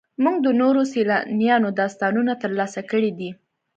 موږ د نورو سیلانیانو داستانونه ترلاسه کړي دي.